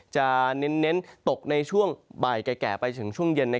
จะเน้นตกในช่วงบ่ายแก่ไปถึงช่วงเย็น